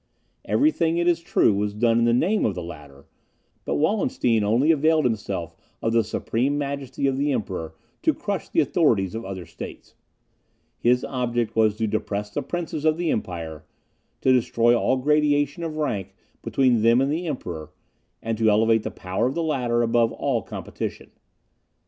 Every thing, it is true, was done in the name of the latter; but Wallenstein only availed himself of the supreme majesty of the Emperor to crush the authority of other states. His object was to depress the princes of the empire, to destroy all gradation of rank between them and the Emperor, and to elevate the power of the latter above all competition.